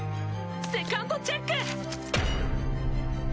セカンドチェック！